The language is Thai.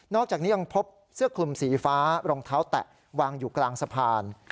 อกจากนี้ยังพบเสื้อคลุมสีฟ้ารองเท้าแตะวางอยู่กลางสะพาน